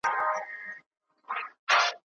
روژې میاشت کي د روغتون مهالویش څنګه بدلیږي؟